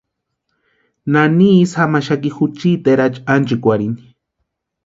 ¿Nani isï jamaxaki juchiti erachi anchikwarhini?